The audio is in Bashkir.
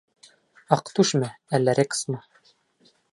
Аҡтүшме, әллә Рексмы.